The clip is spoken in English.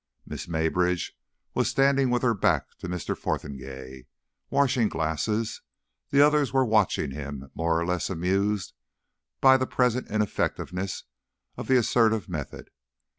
Miss Maybridge was standing with her back to Mr. Fotheringay, washing glasses; the others were watching him, more or less amused by the present ineffectiveness of the assertive method.